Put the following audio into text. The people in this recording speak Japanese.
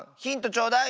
ちょうだい。